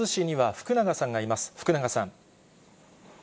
福永さん。